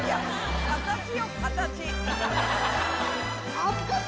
形よ形。